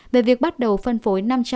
về việc bắt đầu phân phối năm trăm linh